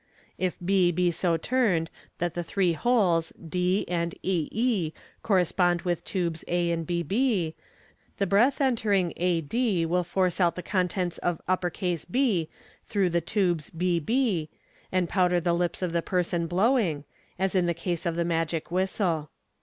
If B be so turned that the three holes d and e e correspond with the tubes a and b b, the breath enter ing a' tf will force out the contents of B through the tubes b b, and powder the lips of the person blowing, as in the case of the magic whistle.